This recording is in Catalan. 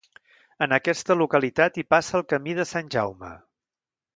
En aquesta localitat hi passa el Camí de Sant Jaume.